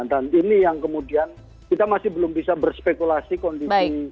dan ini yang kemudian kita masih belum bisa berspekulasi kondisi